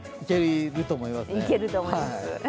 いけると思います。